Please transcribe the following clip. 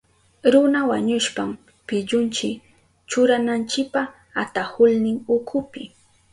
Runa wañushpan pillunchi churananchipa atahulnin ukupi.